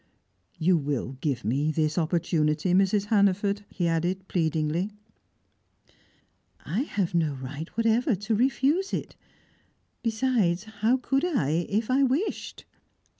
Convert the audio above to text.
"You will give me this opportunity, Mrs. Hannaford?" he added pleadingly. "I have no right whatever to refuse it. Besides, how could I, if I wished?